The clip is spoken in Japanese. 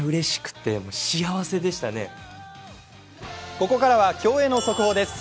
ここからは競泳の速報です。